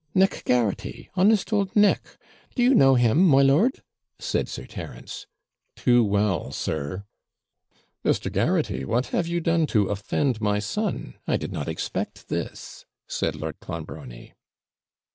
'Nick Garraghty, honest old Nick; do you know him, my lord?' said Sir Terence. 'Too well, sir.' 'Mr. Garraghty, what have you done to offend my son? I did not expect this,' said Lord Clonbrony.